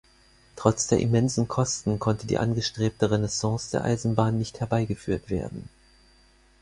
Trotz der immensen Kosten konnte die angestrebte Renaissance der Eisenbahn nicht herbeigeführt werden.